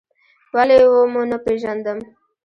ولې و مو نه پېژندم؟